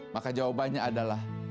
maka jawabannya adalah